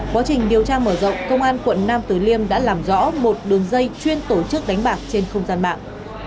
quá trình điều tra mở rộng công an quận nam tử liêm đã làm rõ một đường dây chuyên tổ chức đánh bạc trên không gian mạng